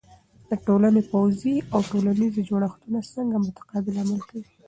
د ټولنې پوځی او ټولنیزې جوړښتونه څنګه متقابل عمل کوي؟